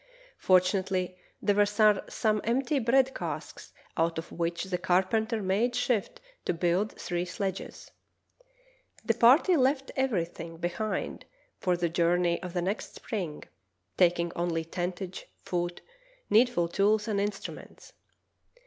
Fortunately there were some empty bread casks out of which the carpenter made shift to build three sledges. The party left everything 50 True Tales of Arctic Heroism behind for the journey of the next spring, taking only tentage, food, needful tools, and instruments.